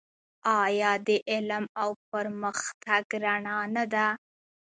آیا د علم او پرمختګ رڼا نه ده؟